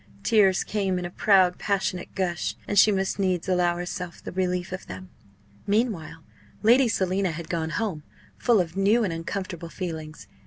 Tears came in a proud, passionate gush; and she must needs allow herself the relief of them. Meanwhile, Lady Selina had gone home full of new and uncomfortable feelings.